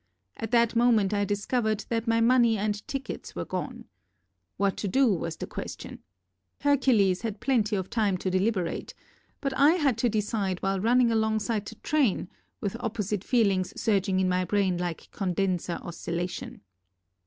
At that moment I discovered that my money and tickets were gone. What to do was the question. Hercules had plenty of time to deliberate but I had to decide while run ning alongside the train with opposite feel ings surging in my brain like condenser oscillations.